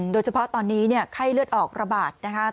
โดยเฉพาะตอนนี้ไข้เลือดออกระบาดนะคะ